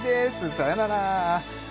さよなら